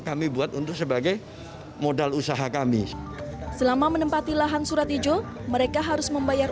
kami buat untuk sebagai modal usaha kami selama menempati lahan surat ijo mereka harus membayar